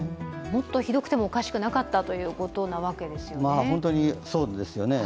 もっとひどくてもおかしくなかったというわけですよね。